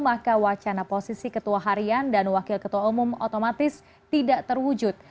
maka wacana posisi ketua harian dan wakil ketua umum otomatis tidak terwujud